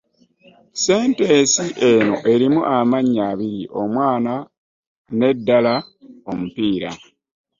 Sentensi eno erimu amannya abiri omwana n’eddala omupiira.